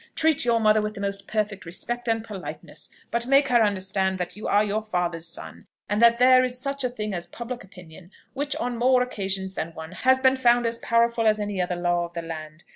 Treat your mother with the most perfect respect and politeness; but make her understand that you are your father's son, and that there is such a thing as public opinion, which, on more occasions than one, has been found as powerful as any other law of the land.